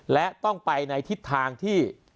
และต้องไปในทิศทางที่